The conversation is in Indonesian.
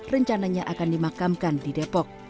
rencananya akan dimakamkan di depok